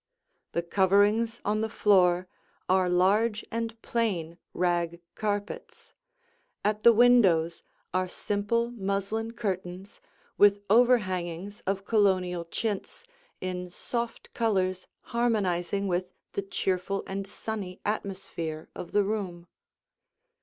The coverings on the floor are large and plain rag carpets; at the windows are simple muslin curtains, with overhangings of Colonial chintz in soft colors harmonizing with the cheerful and sunny atmosphere of the room.